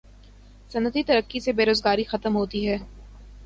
صنعتی ترقی سے بے روزگاری ختم ہوتی ہے